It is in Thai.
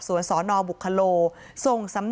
สวัสดีครับ